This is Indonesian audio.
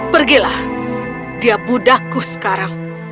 pergilah dia buddhaku sekarang